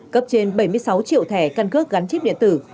cấp trên bảy mươi sáu triệu thẻ căn cước gắn chip điện tử